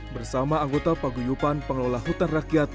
bersama anggota paguyupan pengelola hutan rakyat